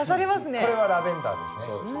これはラベンダーですね。